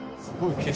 すごーい！